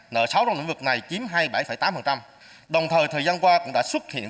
nợ sáu trong lĩnh vực này chiếm hai mươi bảy tám